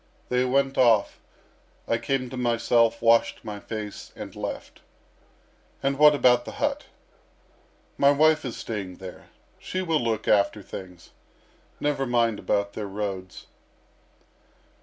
They went off; I came to myself, washed my face, and left." "And what about the hut?" "My wife is staying there. She will look after things. Never mind about their roads."